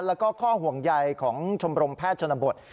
แล้วก็ข้อห่วงใยของชมรมแพทย์ชนบท